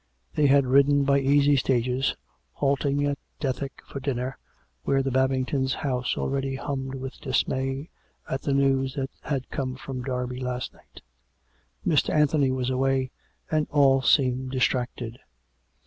They had ridden by easy stages, halting at Dethick for dinner, where the Babingtons' house already hummed with dismay at the news that had come from Derby last night. Mr. Anthony was away, and all seemed distracted.